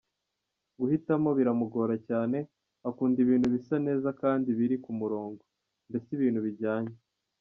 Guhitamo biramugora cyane, akunda ibintu bisa neza kandi biri kumurongo, mbese ibintu bijyanye.